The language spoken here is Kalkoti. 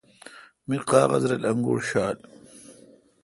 می قاغذرل انگوٹ ݭال۔